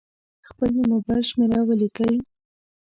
خپل د مبایل شمېره ولیکئ.